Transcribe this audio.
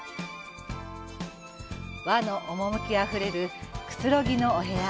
和の趣あふれる寛ぎのお部屋。